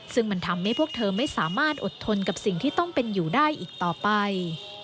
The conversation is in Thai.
ซึ่งมันทำให้พวกเธอไม่สามารถอดทนกับสิ่งที่ต้องเป็นอยู่ได้อีกต่อไป